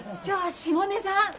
じゃあ下根さん。